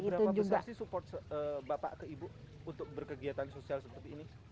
berapa besar sih support bapak ke ibu untuk berkegiatan sosial seperti ini